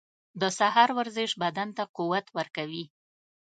• د سهار ورزش بدن ته قوت ورکوي.